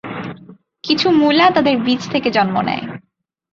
কিছু মূলা তাদের বীজ থেকে জন্ম নেয়।